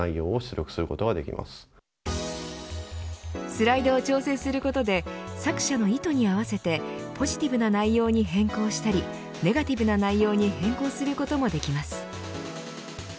スライドを調節することで作者の意図に合わせてポジティブな内容に変更したりネガティブな内容に変更することもできます。